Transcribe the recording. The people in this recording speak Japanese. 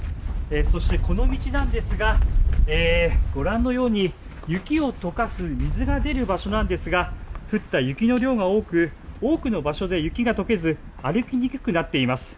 そしてこの道なんですが、ご覧のように、雪をとかす水が出る場所なんですが、降った雪の量が多く、多くの場所で雪がとけず、歩きにくくなっています。